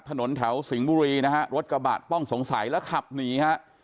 ถนนแถวสิงห์บุรีนะฮะรถกระบะต้องสงสัยแล้วขับหนีฮะ